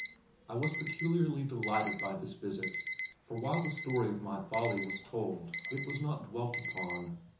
I was peculiarly delighted by this visit, for while the story of my folly was told, it was not dwelt upon.